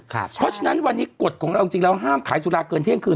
เพราะฉะนั้นวันนี้กฎของเราจริงแล้วห้ามขายสุราเกินเที่ยงคืน